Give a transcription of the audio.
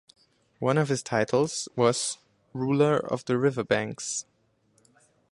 One of his titles was "Ruler of the Riverbanks".